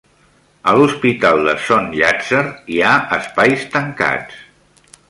A l'Hospital de Son Llàtzer hi ha espais tancats.